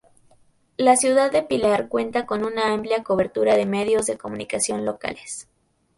La ciudad de Pilar cuenta con una amplia cobertura de medios de comunicación locales.